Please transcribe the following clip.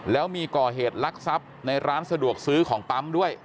แล้วมีก่อเหตุลักษัพในร้านสะดวกซื้อของปั๊มด้วย